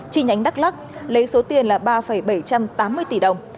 chi nhánh đắk lắc lấy số tiền là ba bảy trăm tám mươi tỷ đồng